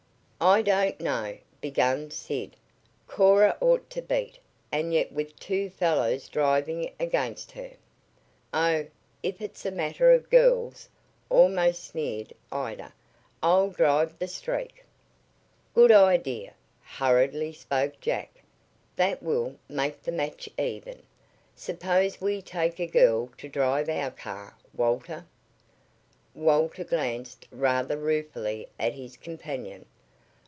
"I don't know," began Sid. "Cora ought to beat, and yet with two fellows driving against her " "Oh, if it's a matter of girls," almost sneered Ida, "I'll drive the Streak." "Good idea!" hurriedly spoke Jack. "That will `make the match even. Suppose we take a girl to drive our car, Walter?" Walter glanced rather ruefully at his companion.